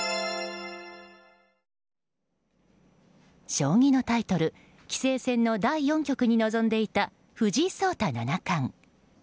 将棋のタイトル棋聖戦の第４局に臨んでいた藤井聡太七冠。